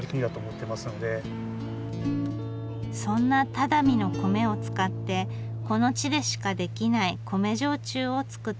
そんな只見の米を使ってこの地でしかできない米焼酎を造っています。